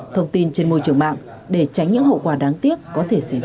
thông tin trên môi trường mạng để tránh những hậu quả đáng tiếc có thể xảy ra